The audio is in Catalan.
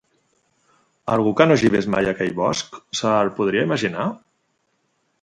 Algú que no hagi vist mai aquell bosc, se'l podria imaginar?